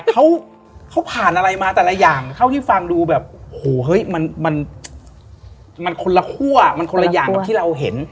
แต่เขาผ่านอะไรมาแต่ละอย่างเท่าที่ฟังดูแบบโหเฮ้ยมันคนละคั่วมันคนละอย่างกับที่เราเห็น